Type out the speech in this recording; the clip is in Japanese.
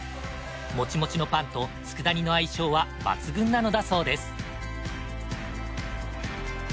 もちもちのパンと佃煮の相性は抜群なのだそうです。